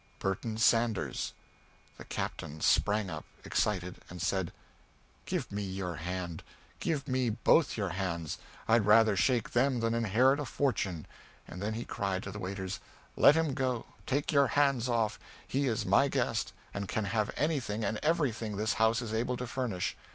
"Burton Sanders." The Captain sprang up, excited, and said, "Give me your hand! Give me both your hands! I'd rather shake them than inherit a fortune!" and then he cried to the waiters, "Let him go! take your hands off! He is my guest, and can have anything and everything this house is able to furnish.